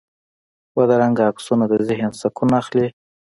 بدرنګه عکسونه د ذهن سکون اخلي